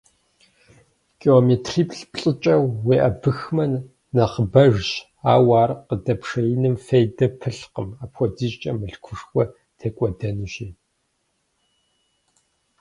Километритӏ-плӏыкӏэ уеӏэбыхмэ нэхъыбэжщ, ауэ ар къыдэпшеиным фейдэ пылъкъым, апхуэдизкӏэ мылъкушхуэ текӏуэдэнущи.